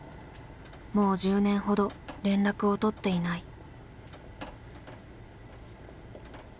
もう１０年ほど連絡を取っていない。